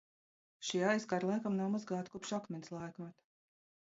Šie aizkari laikam nav mazgāti kopš akmens laikmeta.